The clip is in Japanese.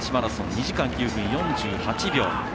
２時間９分４８秒。